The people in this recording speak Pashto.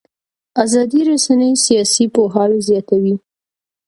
ازادې رسنۍ سیاسي پوهاوی زیاتوي